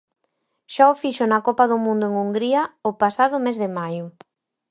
Xa o fixo na Copa do Mundo en Hungría o pasado mes de maio.